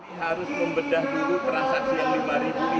ini harus membedah dulu transaksi yang lima ini